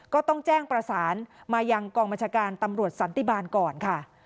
ก็ต้องแจ้งประสานมายังกองบัญชาการตำรวจสันติบาลก่อนค่ะ